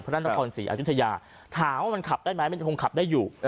พระนครศรีอายุทยาถามว่ามันขับได้ไหมมันคงขับได้อยู่